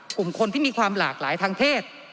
กลุ่มคนที่มีความหลากหลายทางเพศ